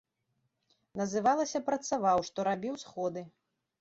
Называлася працаваў, што рабіў сходы.